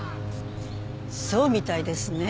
そうみたいですね。